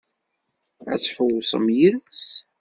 Ad tḥewwsem yid-s?